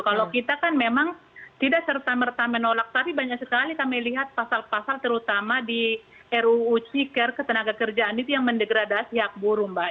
kalau kita kan memang tidak serta merta menolak tapi banyak sekali kami lihat pasal pasal terutama di ruu ciker ketenaga kerjaan itu yang mendegradasi hak buruh mbak